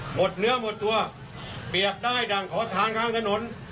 หมดเนื้อหมดตัวเปียกได้ดั่งขอทานข้างถนน